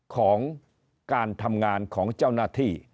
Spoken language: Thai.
ของการทำงานของเจ้าหน้าที่